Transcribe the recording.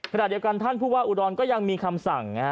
ขณะเดียวกันท่านผู้ว่าอุดรก็ยังมีคำสั่ง